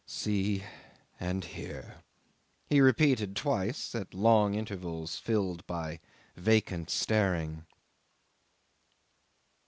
.. See and hear," he repeated twice, at long intervals, filled by vacant staring.